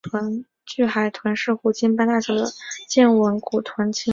巨海豚是虎鲸般大小的剑吻古豚亲属。